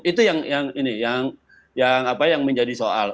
itu yang menjadi soal